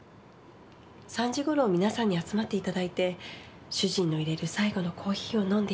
３時頃皆さんに集まって頂いて主人のいれる最後のコーヒーを飲んで頂いて。